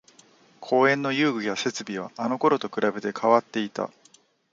公園の遊具や設備はあのころと比べて変わっていた